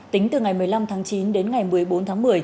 tính từ ngày một mươi năm tháng chín đến ngày một mươi bốn tháng một mươi